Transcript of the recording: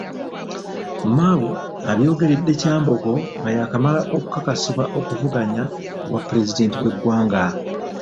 Mao abyogeredde Kyambogo nga yaakamala okukakasibwa okuvuganya ku bwa pulezidenti bw'eggwanga.